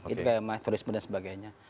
itu kayak materisme dan sebagainya